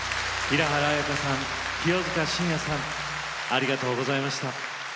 平原綾香さん清塚信也さんありがとうございました。